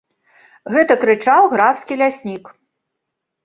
Гэта крычаў графскі ляснік.